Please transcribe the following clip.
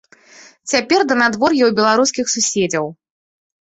Цяпер да надвор'я ў беларускіх суседзяў.